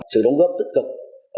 sự đồng góp tích cực